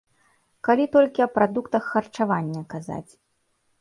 Калі толькі аб прадуктах харчавання казаць.